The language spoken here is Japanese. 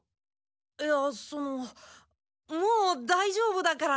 いやそのもうだいじょうぶだから。